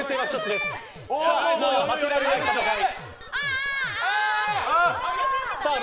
負けられない戦い。